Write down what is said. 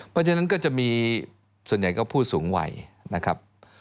เพราะฉะนั้นก็จะมีส่วนใหญ่ก็ผู้สูงวัยนะครับ